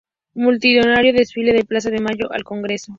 Multitudinario desfile de Plaza de Mayo al Congreso.